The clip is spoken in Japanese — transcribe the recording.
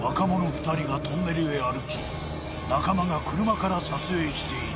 ２人がトンネルへ歩き仲間が車から撮影している